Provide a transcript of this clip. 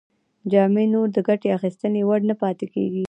جامې نور د ګټې اخیستنې وړ نه پاتې کیږي.